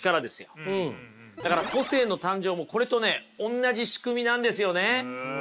だから個性の誕生もこれとねおんなじ仕組みなんですよね。